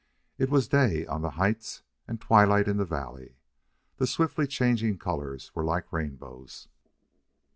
It was day on the heights and twilight in the valley. The swiftly changing colors were like rainbows.